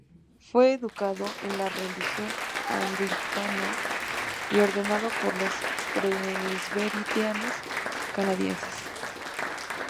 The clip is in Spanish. Fue educado en la religión anglicana, y ordenado por los presbiterianos canadienses.